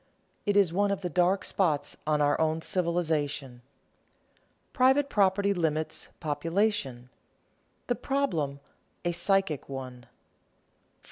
It is one of the dark spots on our own civilization. [Sidenote: Private property limits population] [Sidenote: The problem a psychic one] 4.